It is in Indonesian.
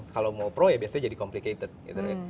kalau mau pro ya biasanya jadi complicated gitu kan